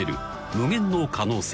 無限の可能性